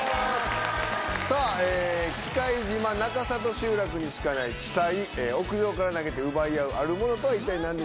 さぁ喜界島中里集落にしかない奇祭屋上から投げて奪い合うある物とは一体何でしょうか？